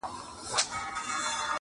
خر د خوني په مابین کي په نڅا سو!!